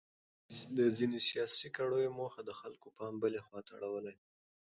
د ځینو سیاسي کړیو موخه د خلکو پام بلې خواته اړول دي.